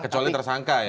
kecuali tersangka ya